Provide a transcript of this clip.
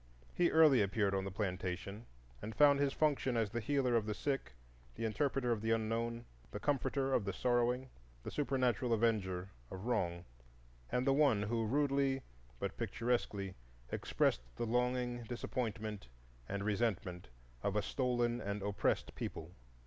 He early appeared on the plantation and found his function as the healer of the sick, the interpreter of the Unknown, the comforter of the sorrowing, the supernatural avenger of wrong, and the one who rudely but picturesquely expressed the longing, disappointment, and resentment of a stolen and oppressed people.